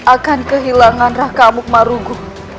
akan kehilangan raka amuk marugu